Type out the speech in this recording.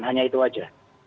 hanya itu saja